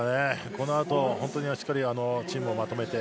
この後しっかりチームをまとめて。